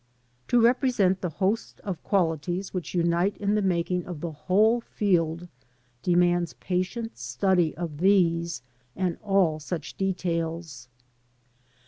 To represent the host of qualities which unite in the making of the whole field demands patient study of these and all such details.